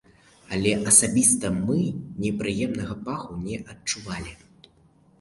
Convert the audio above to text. Але асабіста мы непрыемнага паху не адчувалі.